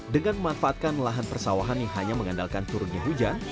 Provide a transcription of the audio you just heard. dengan memanfaatkan lahan persawahan yang hanya mengandalkan turunnya hujan